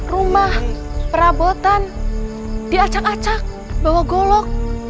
rumah perabotan diacak acak bawa golok